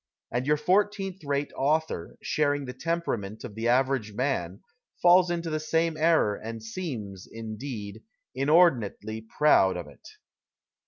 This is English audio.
And your fourteenth rate author, sharing the temperament of the average man, falls into the same error and seems, indeed, inordinately proud of it.